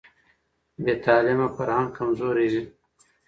بې تعلیمه فرهنګ کمزوری وي.